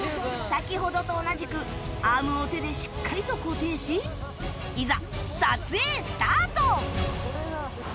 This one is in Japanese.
先ほどと同じくアームを手でしっかりと固定しいざ撮影スタート